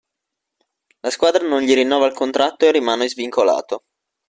La squadra non gli rinnova il contratto e rimane svincolato.